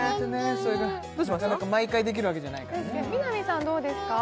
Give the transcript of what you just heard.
それがなかなか毎回できるわけじゃないからね南さんどうですか？